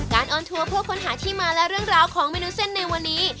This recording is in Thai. ออนทัวร์เพื่อค้นหาที่มาและเรื่องราวของเมนูเส้นในวันนี้